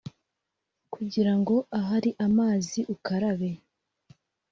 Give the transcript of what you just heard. Kugira ngo ahari amazi ukarabe